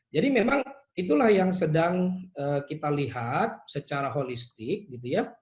jadi memang itulah yang sedang kita lihat secara holistik gitu ya